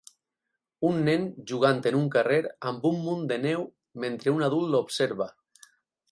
Un nen jugant en un carrer amb un munt de neu mentre un adult l'observa.